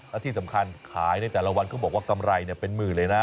และที่สำคัญขายในแต่ละวันเขาบอกว่ากำไรเป็นหมื่นเลยนะ